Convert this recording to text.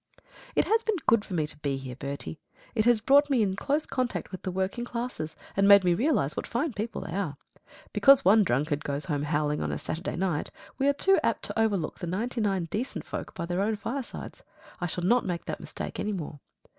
It has been good for me to be here, Bertie. It has brought me in close contact with the working classes, and made me realise what fine people they are. Because one drunkard goes home howling on a Saturday night, we are too apt to overlook the ninety nine decent folk by their own firesides. I shall not make that mistake any more.